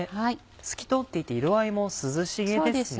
透き通っていて色合いも涼しげですね。